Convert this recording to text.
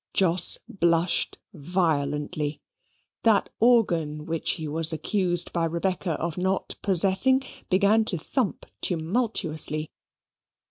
Jos blushed violently. That organ which he was accused by Rebecca of not possessing began to thump tumultuously.